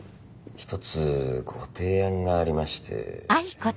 一つご提案がありまして。